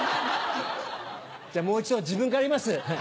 じゃあもう一度自分から言います。